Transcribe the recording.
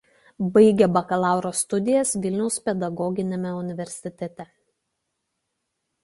Baigė bakalauro studijas Vilniaus pedagoginiame universitete.